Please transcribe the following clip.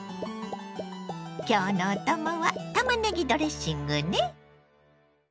今日のお供はたまねぎドレッシングね。